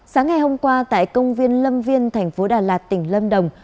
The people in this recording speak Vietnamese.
sáng ngày hôm qua tại công viên lâm viên tp đà lạt tỉnh lâm đồng